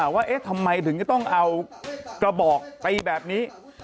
ว่าเอ๊ะทำไมถึงจะต้องเอากระบอกตีแบบนี้